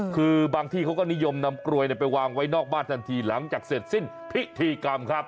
คือบางที่เขาก็นิยมนำกลวยไปวางไว้นอกบ้านทันทีหลังจากเสร็จสิ้นพิธีกรรมครับ